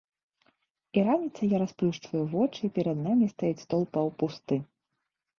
І раніцай я расплюшчваю вочы і перад намі стаіць стол паўпусты.